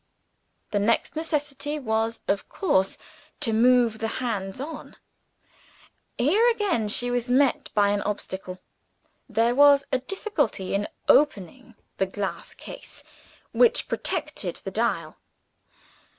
The next necessity was of course to move the hands on. Here again she was met by an obstacle. There was a difficulty in opening the glass case which protected the dial.